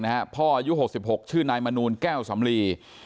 แทงพ่อตัวเองนะฮะพ่ออายุ๖๖ชื่อนายมนูลแก้วสำลี